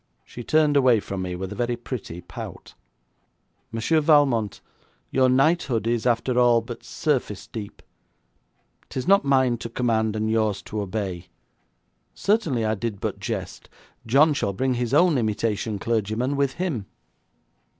She turned away from me with a very pretty pout. 'Monsieur Valmont, your knighthood is, after all, but surface deep. 'Tis not mine to command, and yours to obey. Certainly I did but jest. John shall bring his own imitation clergyman with him.'